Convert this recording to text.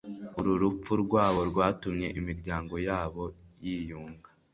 Uru rupfu rwabo rwatumye imiryango yabo yiyunga